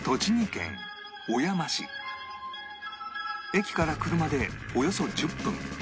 駅から車でおよそ１０分